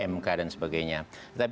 mk dan sebagainya